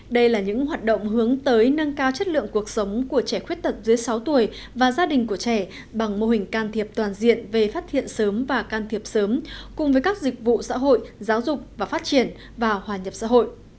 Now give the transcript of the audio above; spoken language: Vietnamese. đây là những hoạt động hướng tới nâng cao chất lượng cuộc sống của trẻ khuyết tật dưới sáu tuổi và gia đình của trẻ bằng mô hình can thiệp toàn diện về phát hiện sớm và can thiệp sớm cùng với các dịch vụ xã hội giáo dục và phát triển và hòa nhập xã hội